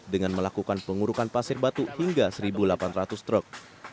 dengan melakukan pengurukan pasir batu hingga satu delapan ratus truk